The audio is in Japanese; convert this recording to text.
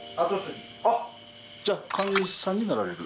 あっじゃあ神主さんになられる？